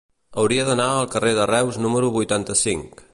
Hauria d'anar al carrer de Reus número vuitanta-cinc.